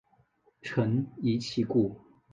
臣疑其故。